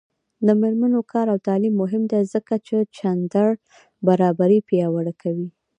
د میرمنو کار او تعلیم مهم دی ځکه چې جنډر برابري پیاوړې کوي.